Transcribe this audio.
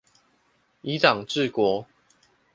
以黨治國